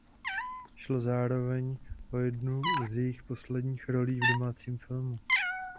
Šlo zároveň o jednu z jejích posledních rolí v domácím filmu.